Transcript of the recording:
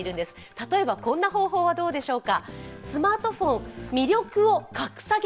例えば、こんな方法はどうでしょうか。